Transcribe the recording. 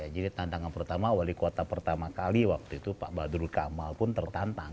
jadi tantangan pertama wali kota pertama kali waktu itu pak badrul kamal pun tertantang